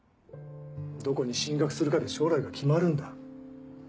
どこに進学するかで将来が決まるんだ。